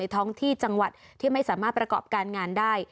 ท้องที่จังหวัดที่ไม่สามารถประกอบการงานได้